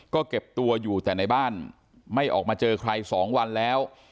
ก็เก็บตัวอยู่แต่ในบ้านไม่ออกมาเจอใคร๒วันแล้ว